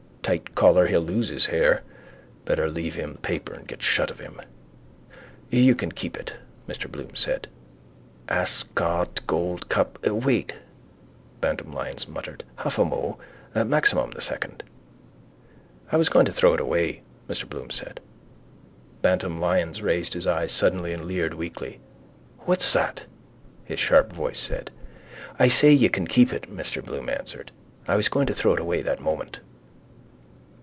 Tight collar he'll lose his hair. Better leave him the paper and get shut of him. —You can keep it, Mr Bloom said. —Ascot. Gold cup. Wait, Bantam Lyons muttered. Half a mo. Maximum the second. —I was just going to throw it away, Mr Bloom said. Bantam Lyons raised his eyes suddenly and leered weakly. —What's that? his sharp voice said. —I say you can keep it, Mr Bloom answered. I was going to throw it away that moment.